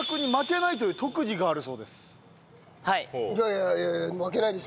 いやいやいや負けないでしょ。